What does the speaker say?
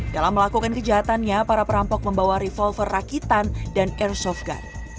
dalam melakukan kejahatannya para perampok membawa revolver rakitan dan airsoft gun